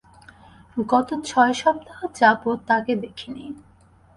গত ছয় সপ্তাহ যাবৎ তাকে দেখিনি।